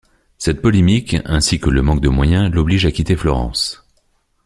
Cette polémique, ainsi que le manque de moyens l'obligent à quitter Florence.